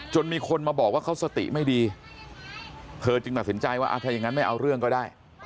มีคนมาบอกว่าเขาสติไม่ดีเธอจึงตัดสินใจว่าถ้าอย่างนั้นไม่เอาเรื่องก็ได้